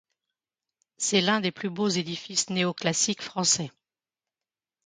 C'est l'un des plus beaux édifices néo-classiques français.